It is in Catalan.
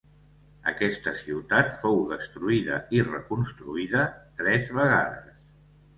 Aquesta ciutat fou destruïda i reconstruïda tres vegades.